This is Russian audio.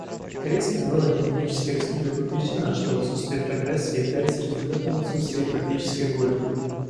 Корейская Народно-Демократическая Республика убеждена, что отсутствие прогресса является результатом отсутствия политической воли.